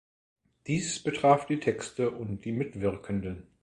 Dies betraf die Texte und die Mitwirkenden.